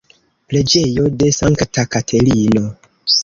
Preĝejo de Sankta Katerino.